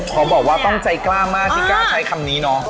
เขาบอกว่าต้องใจกล้ามากที่กล้าใช้คำนี้เนาะ